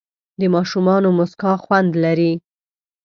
د ماشومانو موسکا خوند لري.